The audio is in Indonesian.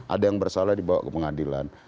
ada yang bersalah dibawa ke pengadilan